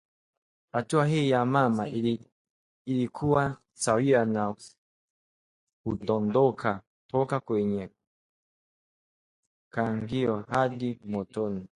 Hatua hii ya mama ilikuwa sawia na kudondoka toka kwenye kaangio hadi motoni